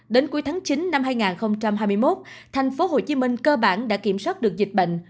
đến cuối tháng chín năm hai nghìn hai mươi một thành phố hồ chí minh cơ bản đã kiểm soát được dịch bệnh